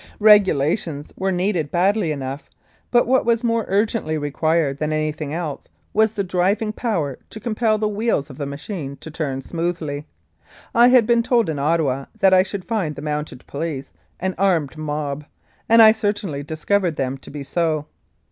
Regulations were needed badly enough, but what was more urgently required than anything else was the driving power to compel the wheels of the machine to turn smoothly. I had been told in Ottawa that I should find the Mounted Police an "armed mob," and I certainly discovered them to be so.